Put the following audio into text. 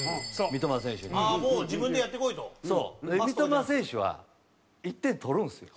三笘選手は１点取るんですよ。